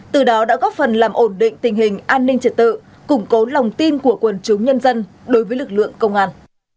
từ đó đã góp phần làm ổn định tình hình an ninh trật tự củng cố lòng tin của quần chúng nhân dân đối với lực lượng công an